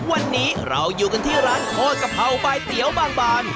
วันนี้เราอยู่กันที่ร้านโคตรกะเพราใบเตี๋ยวบางบาน